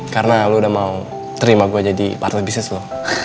karena lu udah mau terima gue jadi partai bisnis lu